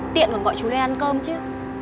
tiện còn gọi chú lên ăn cơm chứ